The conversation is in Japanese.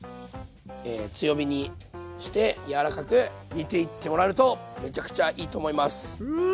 強火にして柔らかく煮ていってもらえるとめちゃくちゃいいと思います。